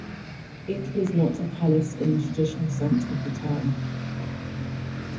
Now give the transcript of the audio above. It is not a palace in the traditional sense of the term.